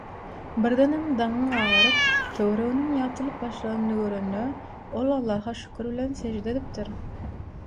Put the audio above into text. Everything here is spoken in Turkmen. Birdenem daňyň agaryp, töwereginiň ýagtylyp başlanyny görende ol Allaha şükür bilen sežde edipdir.